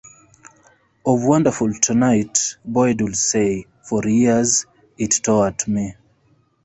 Of "Wonderful Tonight", Boyd would say: "For years it tore at me.